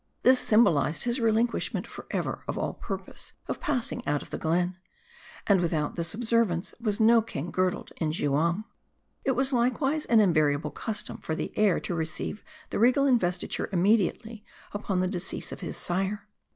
This symbolized his relinquishment for ever of all purpose of passing out of the glen. And without this observance, was no king girdled in Juairi. l It was likewise an invariable custom, for the heir to re ceive the regal investiture immediately upon the decease of his sire.